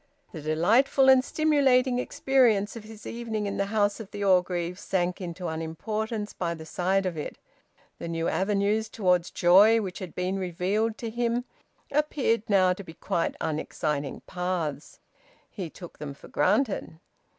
The delightful and stimulating experience of his evening in the house of the Orgreaves sank into unimportance by the side of it. The new avenues towards joy which had been revealed to him appeared now to be quite unexciting paths; he took them for granted.